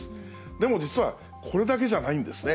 でも実は、これだけじゃないんですね。